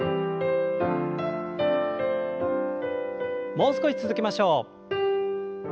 もう少し続けましょう。